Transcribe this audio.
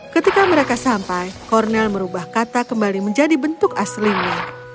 ketika mereka sampai kornel merubah kata kembali menjadi bentuk aslinya